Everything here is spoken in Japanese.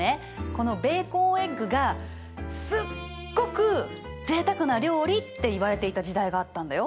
このベーコンエッグがすっごくぜいたくな料理っていわれていた時代があったんだよ。